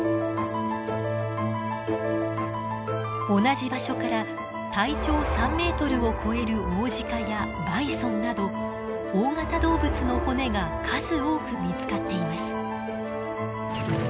同じ場所から体長３ｍを超えるオオジカやバイソンなど大型動物の骨が数多く見つかっています。